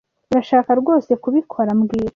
Urashaka rwose kubikora mbwira